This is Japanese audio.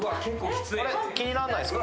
あれ気になんないっすか？